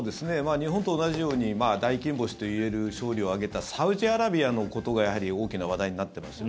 日本と同じように大金星といえる勝利を挙げたサウジアラビアのことが大きな話題になっています。